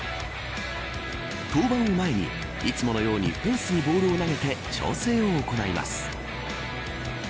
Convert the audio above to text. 登板を前にいつものようにフェンスにボールを投げて調整を行います。